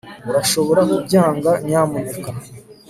Urashobora kubyanga nyamuneka